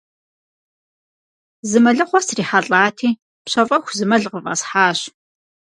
Зы мэлыхъуэ срихьэлӀати, пщэфӀэху, зы мэл къыфӀэсхьащ.